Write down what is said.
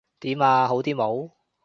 點呀？好啲冇？